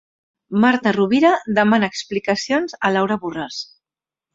Marta Rovira demana explicacions a Laura Borràs.